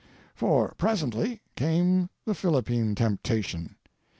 For, presently, came the Philippine temptation.